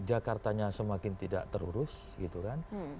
jakartanya semakin tidak terurus gitu kan